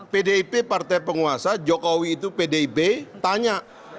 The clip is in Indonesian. pdip partai penguasa jokowi itu pdib tanya